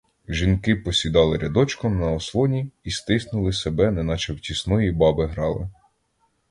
Жінки посідали рядочком на ослоні і стиснули себе, неначе в тісної баби грали.